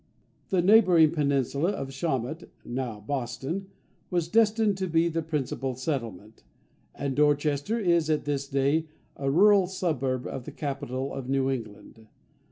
The neighbouring peninsula of Shawmut (now Boston) was destined to be the principal settlement, and Dorchester is at this day a rural suburb of the capital of New England.